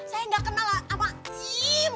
saya gak kenal sama jim